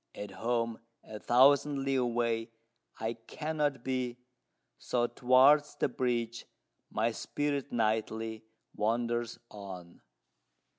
At home a thousand li away, I cannot be; So towards the Bridge my spirit nightly wanders on."